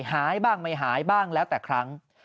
หายบ้างไม่หายบ้างแล้วแต่ครั้ง